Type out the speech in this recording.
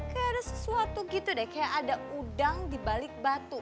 kayak ada sesuatu gitu deh kayak ada udang di balik batu